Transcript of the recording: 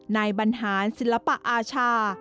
นายบรรหารศิลปะอาชา